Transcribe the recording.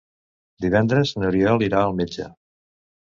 Divendres n'Oriol irà al metge.